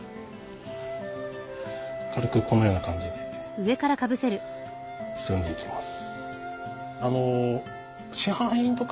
軽くこのような感じで包んでいきます。